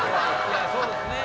そうですね。